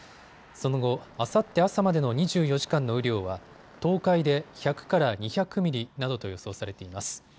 その後、あさって朝までの２４時間の雨量は東海で１００から２００ミリなどと予想されています。